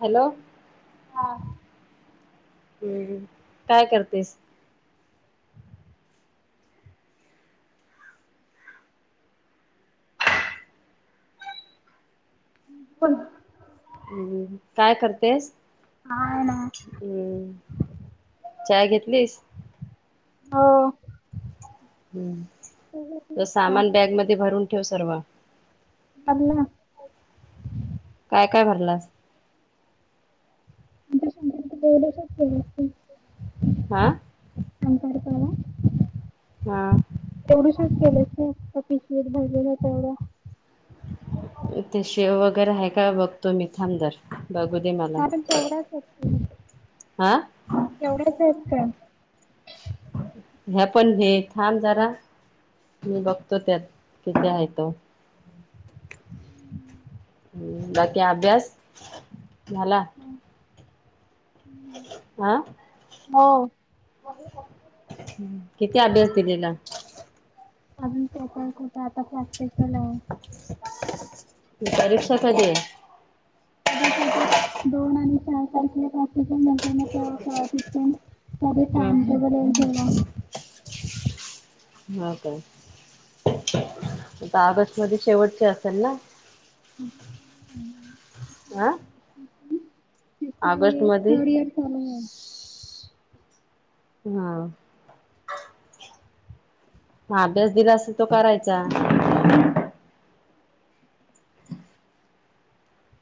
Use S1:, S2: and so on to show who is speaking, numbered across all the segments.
S1: Hello
S2: हा
S1: हम्म काय करतेस?
S2: पण
S1: हम्म काय करतेस?
S2: काय नाय
S1: हम्म चाय घेतलीस?
S2: हो
S1: हम्म
S2: लग्न
S1: तुज सामान बॅगमध्ये भरून [unintelligible] सर्वा
S2: [unintelligible]
S1: काय काय भरलास?
S2: [unintelligible]
S1: हा
S2: शंकरपाळ्या
S1: हा
S2: एवढूशेच केलं ना ते पिशेत भरलेल्या तेवढा
S1: ते शेव वगैरे आहे का बघतो मी थांब जर बघ
S2: नाय पण तेवढ्याचच
S1: आं
S2: एवढ्याच आहेत काय?
S1: ह्या पण ने थांब जरा मी बघतो त्यात किती हाय तो हुं बाकी अभ्यास झाला आं
S2: हो
S1: किती अभ्यास दिलेला?
S2: आ आता [unintelligible] लावून
S1: परीक्षा कधी ये?
S2: त्या दिवशी आता दोन आणि चार तारखेला प्रॅक्टिकल नंतर मग तेव्हा शिक्षण
S1: हम्म
S2: [inaudible]
S1: हा का आता ऑगस्ट मध्ये शेवटची असल ना? आं ऑगस्ट
S2: तिथे
S1: मध्ये
S2: थर्ड इयर चालू आहे
S1: हा म अभ्यास दिला असल तो करायचा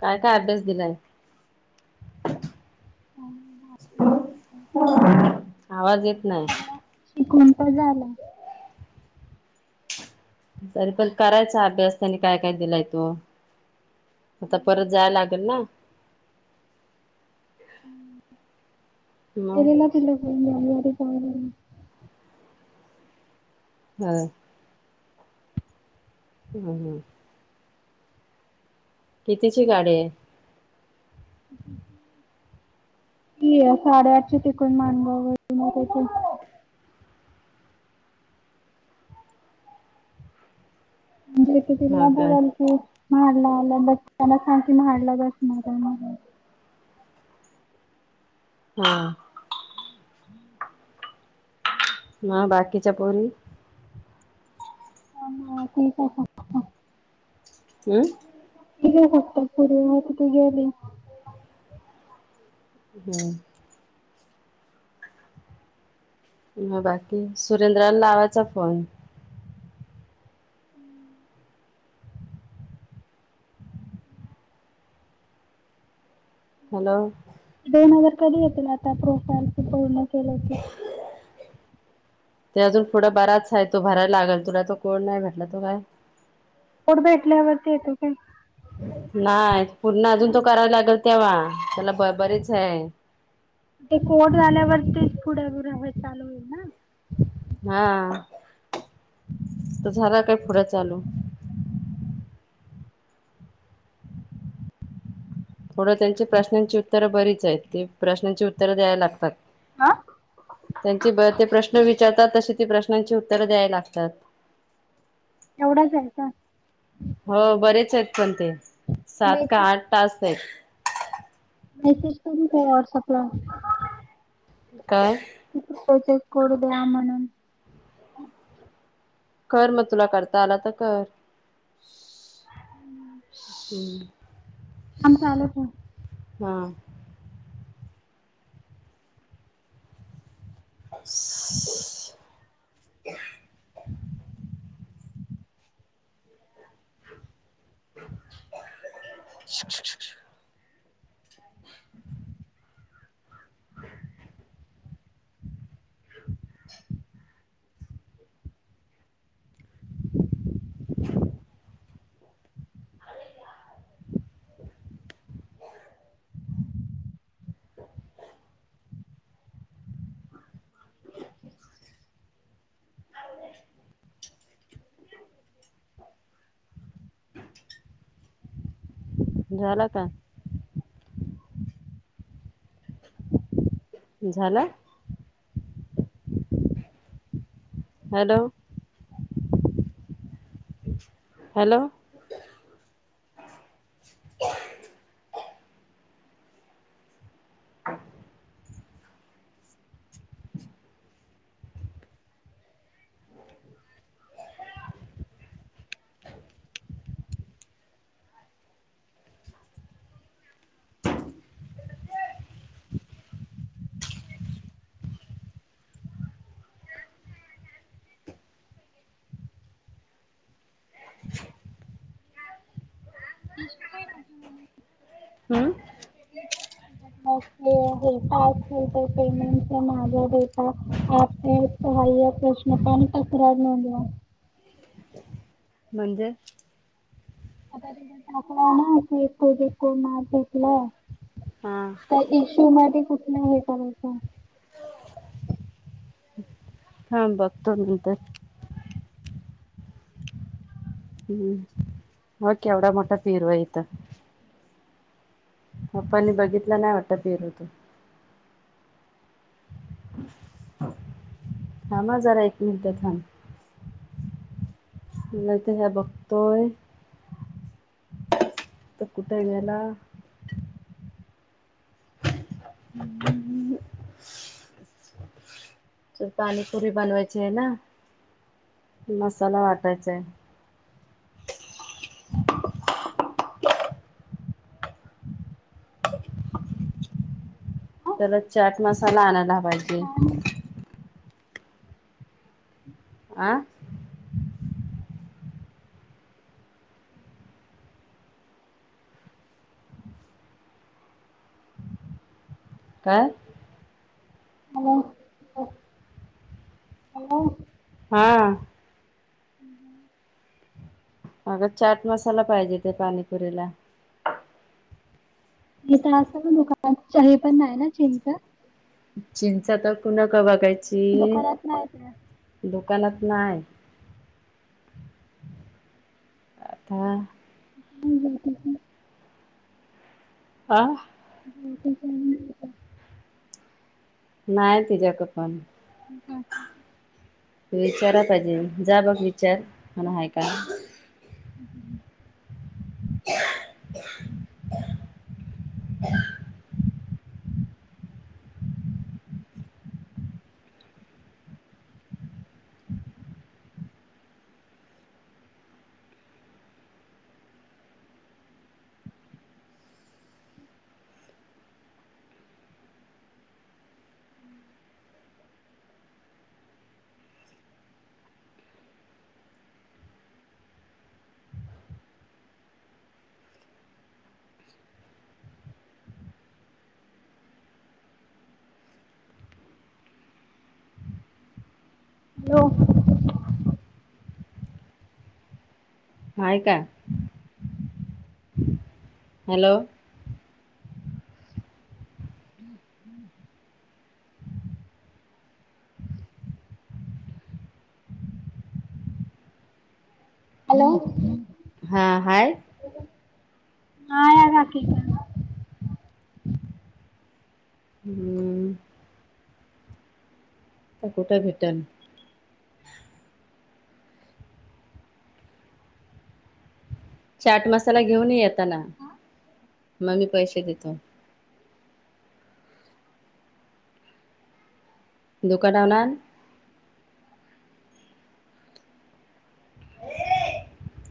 S1: काय काय अभ्यास दिलाय?
S2: आणि
S1: आवाज येत नाय.
S2: तिकुण काय झाला
S1: तरी पण करायचा अभ्यास त्यांनी काय काय दिलाय तो आता परत जाय लागल ना मग
S2: [inaudible] [inaudible]
S1: हा. हम् हम. कितीची गाडी आहे?
S2: की साडे आठची ते कोण मानगाव वरून येणार आहे ते म्हणजे
S1: हा का
S2: [unintelligible] म्हाडला आलं बासस्टँड त्यांना सांग की म्हाडला बसणार आहे म्हणून
S1: हा. हा बाकीच्या पोरी
S2: हा हा ठीक आहे सांगतो सांगतो
S1: हुं.
S2: [unintelligible] फक्त पुरगी होती ती गेली.
S1: हुं. म बाकी सुरेंद्रला लावायचा फोन हॅलो
S2: दोन हजार कधी येतल आता प्रोफाईल पूर्ण केलं की
S1: ते अजून पुढं बराच हाय तो भरायला लागल तुला तो कोड नाही भेटला तो काय
S2: पुढ भेटल्यावरती येतोय काय?
S1: नाय पूर्ण अजून तो करावा लागेल तेव्हा त्याला ब बरेच हे हाय
S2: ते कोड आल्यावर ती पुढे [unintelligible] चालू होईल ना?
S1: हा तुझं झाला काय पुुढं चालू
S2: [inaudible]
S1: पुढं त्यांची प्रश्नांची उत्तरं बरीच आहेत ती प्रश्नांची उत्तरं द्यायला लागतात.
S2: हा
S1: त्यांचे ते प्रश्न विच विचारतात तशी ती प्रश्नांची उत्तरं द्यायला लागतात.
S2: एवढच आहे का?
S1: हो बरेच आहेत पण ते सात काय
S2: मेसेज
S1: आठ टास्क आहेत.
S2: मेसेज करून ठेव व्हॉट्सअपला.
S1: काय?
S2: एक्सेस कोड द्या म्हणून
S1: कर मग तुला करता आला तर कर. हुं.
S2: थांब चालू ठेव
S1: हा [inaudible] [inaudible] शुक शुक शुक शु [inaudible] [inaudible] [inaudible] [unintelligible] झाला का? झालं? हॅलो. [inaudible] हॅलो. [inaudible] [inaudible]
S2: [unintelligible]
S1: हम्म
S2: प्रश्न [unintelligible] तक्रार नोंदवा.
S1: म्हणजे?
S2: [unintelligible] तर
S1: हा
S2: इशू मध्ये कु नाही पण का.
S1: थांब बगतो नंतर. हम्म बग एवढा मोठा पेरू आहे इथं. पप्पांनी बघितलं नाही वाटत पेरू तो. थांब जरा एक मिनट थांब, बगतोय आता कुठ गेला. तर पाणीपुरी बनवायची आहे ना मसाला वाटायचा आहे. त्याला चाट मसाला आणायला पाहिजे.
S2: पाणी.
S1: आ. काय?
S2: हॅलो. हॅलो.
S1: हा. अगं चाट मसाला पाहिजे ते पाणीपुरीला.
S2: हित असतो ना दुकानात, हे पण नाही ना चिंच.
S1: चिंच आता कुणाकड बगायची.
S2: दुकानात नाही त्या.
S1: ची दुकानात - - नाही. आता - -
S2: हम्म, हम्म, हम.
S1: आ.
S2: [unintelligible]
S1: नाही तिच्याकडे पण.
S2: हा.
S1: विचाराय पाहिजे, जा बघ विचार आण आहे काय?
S2: [unintelligible]
S1: [unintelligible]
S2: हॅलो.
S1: हाय का? हॅलो.
S2: हॅलो.
S1: हा हाय.
S2: नाय हाय काकी इकड.
S1: हम्म तर कुठ भेटल? चाट मसाला घेऊन येत- - ता ना. मग मी पैसे देतो. दुकानदार- - ए.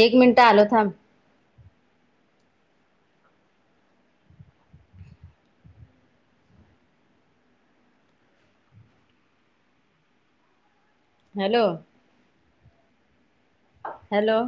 S1: एक मिनट आलो थांब. Hello hello.